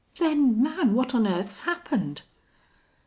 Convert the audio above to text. "Then, man, what on earth's happened?"